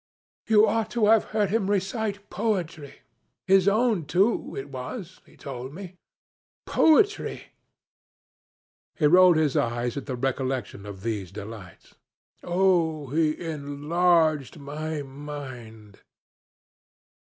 You ought to have heard him recite poetry his own too it was, he told me. Poetry!' He rolled his eyes at the recollection of these delights. 'Oh, he enlarged my mind!'